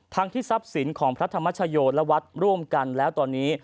ทั้งที่ทรัพย์สินของพระธรรมชโยและวัดร่วมกันแล้วตอนนี้